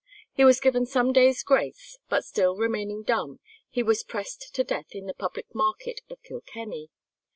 He was given some days' grace, but still remaining dumb, he was pressed to death in the public market of Kilkenny.